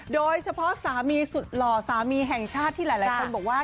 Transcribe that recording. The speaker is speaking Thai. โดยเฉพาะสามีสุดหล่อสามีแห่งชาติที่หลายคนบอกว่า